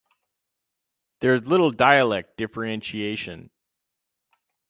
There is little dialect differentiation.